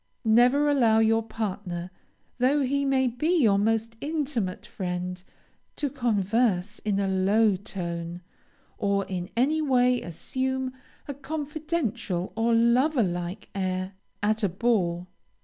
Never allow your partner, though he may be your most intimate friend, to converse in a low tone, or in any way assume a confidential or lover like air at a ball.